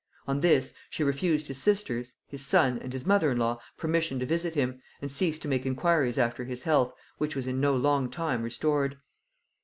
On this, she refused his sisters, his son, and his mother in law permission to visit him, and ceased to make inquiries after his health, which was in no long time restored.